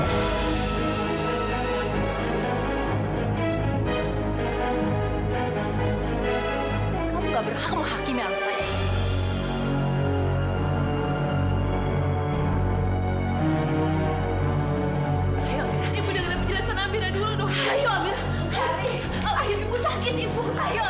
kamu nggak berhak menghakimi anak saya